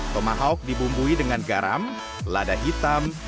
tomahawk dibumbui dengan garam lada hitam